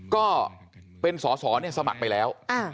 ก็เป็นสอสอสมัครไปแล้ว